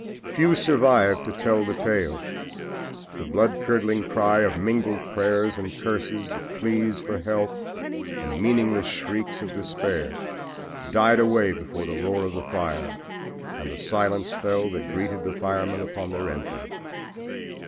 Few survived to tell the tale. The blood curdling cry of mingled prayers and curses, of pleas for help and meaningless shrieks of despair died away before the roar of the fire and the silence fell that greeted the firemen upon their entry.